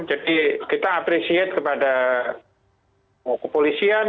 jadi kita appreciate kepada kepolisian